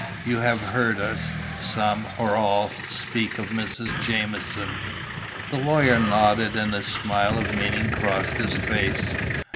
You have heard us, some, or all, speak of Mrs. Jamieson!" The lawyer nodded and a smile of meaning crossed his face.